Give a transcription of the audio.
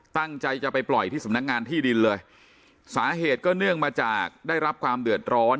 ตั้งใจจะไปปล่อยที่สำนักงานที่ดินเลยสาเหตุก็เนื่องมาจากได้รับความเดือดร้อน